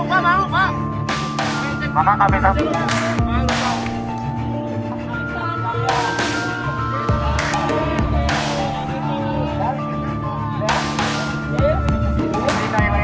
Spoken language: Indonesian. dan berpanjang waktu jangkauan kerajaan